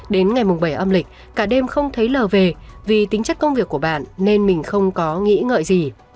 đến ngày bảy âm lịch cả đêm không thấy lờ về vì tính chất công việc của bạn nên mình không có nghĩ ngợi gì